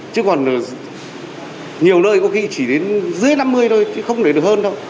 chứ còn nhiều nơi có khi chỉ đến dưới năm mươi thôi chứ không để được hơn thôi